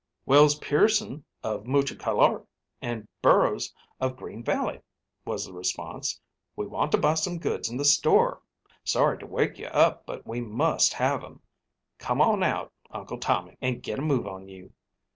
"Wells Pearson, of the Mucho Calor, and Burrows, of Green Valley," was the response. "We want to buy some goods in the store. Sorry to wake you up but we must have 'em. Come on out, Uncle Tommy, and get a move on you."